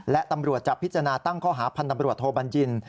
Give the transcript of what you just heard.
และตำรวจจะพิจารณาตั้งข้อหาพันธบรวจโทบัญญิน